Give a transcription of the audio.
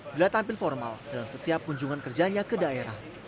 bila tampil formal dalam setiap kunjungan kerjanya ke daerah